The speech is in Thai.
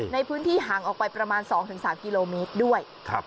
ในพื้นที่ห่างออกไปประมาณ๒๓กิโลเมตรด้วย